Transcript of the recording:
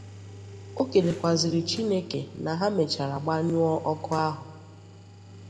O kelekwazịrị Chineke na ha mechaara gbanyụọ ọkụ ahụ